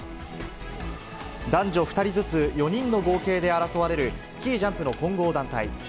男女２人ずつ、４人の合計で争われる、スキージャンプの混合団体。